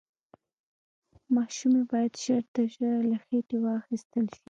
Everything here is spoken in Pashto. ماشوم يې بايد ژر تر ژره له خېټې واخيستل شي.